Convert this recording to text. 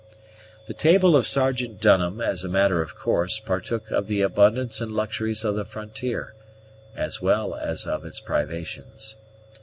The table of Sergeant Dunham, as a matter of course, partook of the abundance and luxuries of the frontier, as well as of its privations.